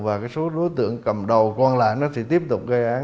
và cái số đối tượng cầm đầu còn lại nó sẽ tiếp tục gây án